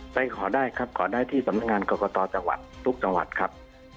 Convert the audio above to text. ไปขอได้ครับขอได้ที่สำนักงานกรกตจังหวัดทุกจังหวัดครับ